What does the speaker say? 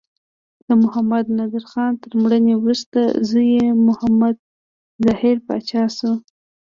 د محمد نادر خان تر مړینې وروسته زوی یې محمد ظاهر پاچا شو.